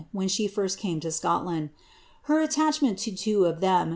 when 'be rir i came to Scotland. Her attachment to two of ibein, .'